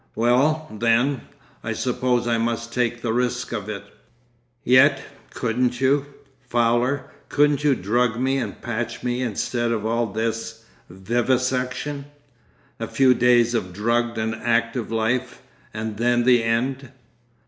'Well, then, I suppose I must take the risk of it. Yet couldn't you, Fowler, couldn't you drug me and patch me instead of all this—vivisection? A few days of drugged and active life—and then the end?